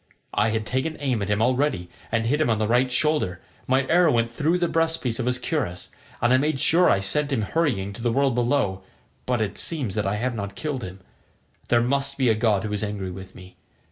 I have taken aim at him already and hit him on the right shoulder; my arrow went through the breast piece of his cuirass; and I made sure I should send him hurrying to the world below, but it seems that I have not killed him. There must be a god who is angry with me.